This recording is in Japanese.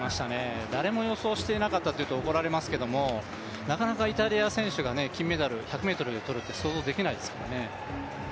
誰も予想していなかったと言うと怒られますけどもなかなかイタリア選手が金メダル１００ｍとるって想像できないですよね。